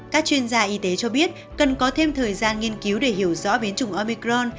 các chuyên gia y tế cho biết cần có thêm thời gian nghiên cứu để hiểu rõ biến chủng obicron